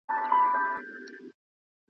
زور د ستمګر مو پر سینه وجود وېشلی دی .